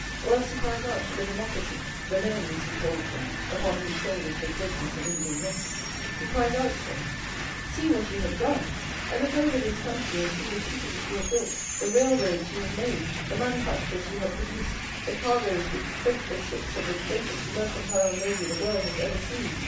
Or else he cries out to the democracy, "the men," as he calls them, "upon whose shoulders the greatness of England rests," he cries out to them: "See what you have done! I look over this country and see the cities you have built, the railroads you have made, the manufactures you have produced, the cargoes which freight the ships of the greatest mercantile navy the world has ever seen!